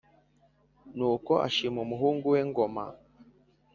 Nuko ashima umuhungu we Ngoma.